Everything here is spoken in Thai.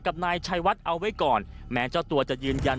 นายชัยวัดเอาไว้ก่อนแม้เจ้าตัวจะยืนยัน